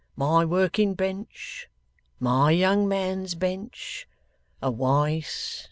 My working bench. My young man's bench. A Wice.